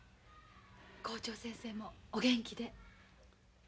校長先生もお元気で。